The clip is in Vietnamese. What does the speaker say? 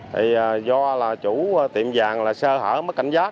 thì do là chủ tiệm vàng là sơ hở mất cảnh giác